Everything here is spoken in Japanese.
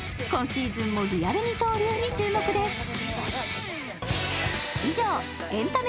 今シーズンもリアル二刀流に注目です。